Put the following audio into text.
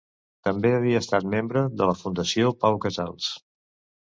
També havia estat membre de la Fundació Pau Casals.